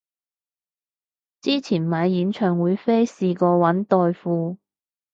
之前買演唱會飛試過搵代付